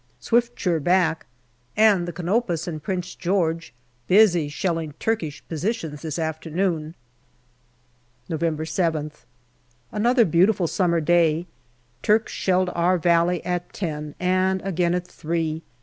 Swiftsure back, and the Canopus and Prince George busy shelling Turkish positions this afternoon. November 7th. Another beautiful summer day. Turks shelled our valley at ten and again at three.